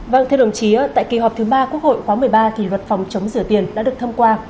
vâng thưa đồng chí tại kỳ họp thứ ba quốc hội khóa một mươi ba thì luật phòng chống rửa tiền đã được thông qua